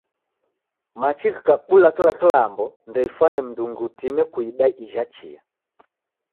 Machi ghikabula kila kilambo ndeifwane mndungi utime kuida ija chia.